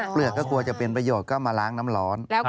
เปลือกก็กลัวจะเป็นประโยชน์ก็มาล้างน้ำร้อน